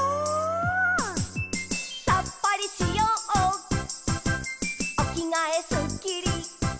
「さっぱりしようおきがえすっきり」